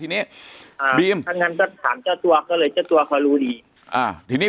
คือสมรดทั้งนั้น